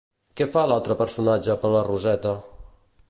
Què fa l'altre personatge per la Roseta?